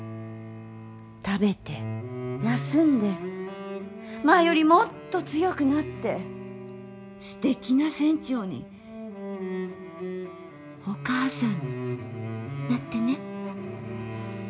食べて休んで前よりもっと強くなってすてきな船長にお母さんになってね。